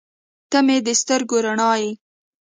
• ته مې د سترګو رڼا یې.